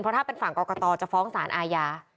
ถ้าเป็นฝั่งกรกตจะฟ้องสารอาญา